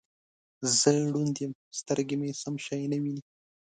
زه ړوند یم سترګې مې سم شی نه وینې